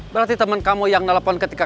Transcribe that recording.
berarti teman kamu yang nelfon ketika